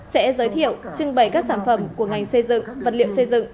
sẽ giới thiệu trưng bày các sản phẩm của ngành xây dựng vật liệu xây dựng